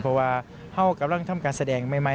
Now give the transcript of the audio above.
เพราะว่าเขากำลังทำการแสดงใหม่